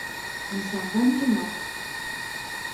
НэсагъэнкӀи мэхъу.